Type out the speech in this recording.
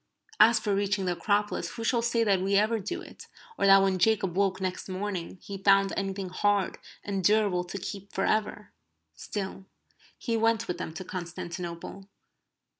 As for reaching the Acropolis who shall say that we ever do it, or that when Jacob woke next morning he found anything hard and durable to keep for ever? Still, he went with them to Constantinople.